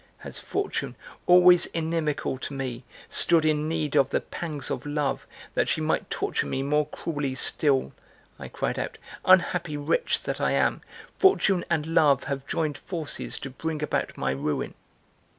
"Has Fortune, always inimical to me, stood in need of the pangs of love, that she might torture me more cruelly still," I cried out; "unhappy wretch that I am! Fortune and Love have joined forces to bring about my ruin.